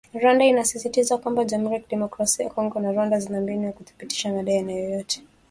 Rwanda inasisitizwa kwamba “Jamuhuri ya Kidemokrasia ya Kongo na Rwanda zina mbinu za kuthibitisha madai ya aina yoyote"